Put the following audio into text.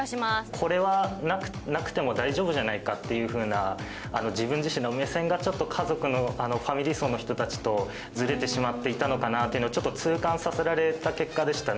これはなくても大丈夫じゃないかっていう風な自分自身の目線がちょっと家族のファミリー層の人たちとずれてしまっていたのかなっていうのをちょっと痛感させられた結果でしたね